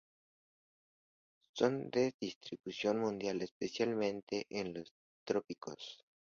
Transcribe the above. Son de distribución mundial, especialmente en los trópicos.